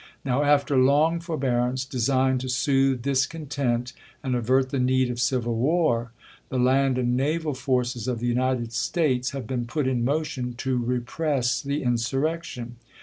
Now after long forbear ance, designed to soothe discontent and avert the need of civil war, the land and naval forces of the United States have been put in motion to repress the insurrec tion.